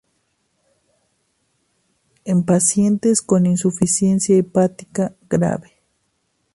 En pacientes con insuficiencia hepática grave.